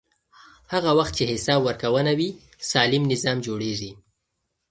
هغه وخت چې حساب ورکونه وي، سالم نظام جوړېږي.